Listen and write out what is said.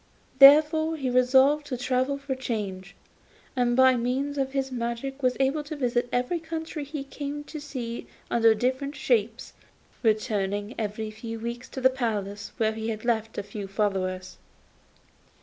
He therefore resolved to travel for change, and by means of his magic art was able to visit every country he came to see under different shapes, returning every few weeks to the place where he had left a few followers.